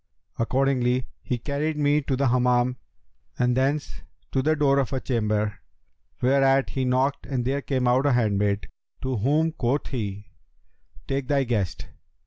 Accordingly he carried me to the Hammam and thence to the door of a chamber, whereat he knocked and there came out a handmaid, to whom quoth he, 'Take thy guest!'